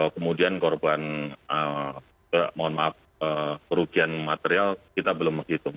kemudian korban mohon maaf kerugian material kita belum menghitung